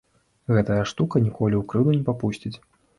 Гэтая штука ніколі ў крыўду не папусціць.